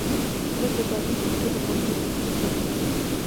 زړه د بدن تر ټولو مهم عضوي غړی دی.